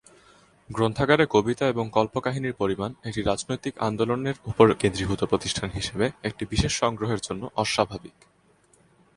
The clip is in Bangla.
গ্রন্থাগারে কবিতা এবং কল্পকাহিনীর পরিমাণ একটি রাজনৈতিক আন্দোলনের উপর কেন্দ্রীভূত প্রতিষ্ঠান হিসেবে একটি বিশেষ সংগ্রহের জন্য অস্বাভাবিক।